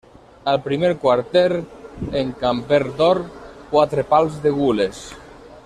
Al primer quarter, en camper d'or, quatre pals de gules.